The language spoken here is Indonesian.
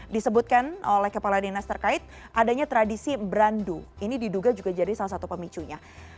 disebutkan oleh kepala dinas terkait adanya tradisi brandu ini diduga juga jadi salah satu pemicunya